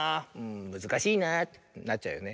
「むずかしいな」ってなっちゃうよね。